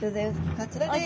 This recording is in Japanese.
こちらです。